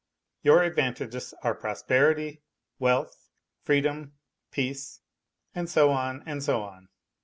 Your advantages are prosperity, wealth, freedom, peace and so on, and so on.